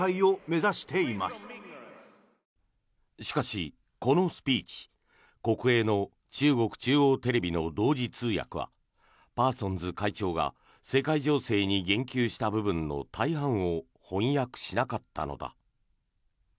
しかし、このスピーチ国営の中国中央テレビの同時通訳はパーソンズ会長が世界情勢に言及した部分の大半を翻訳しなかったのだ。